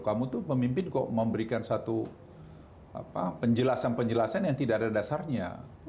kamu tuh pemimpin kok memberikan satu penjelasan penjelasan yang tidak ada dasarnya